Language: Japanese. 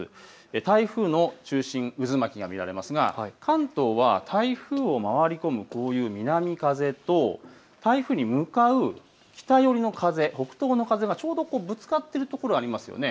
台風の中心、渦巻きが見られますが関東は台風を回り込むこういう南風と台風に向かう北寄りの風、北東の風がちょうどぶつかっている所がありますよね。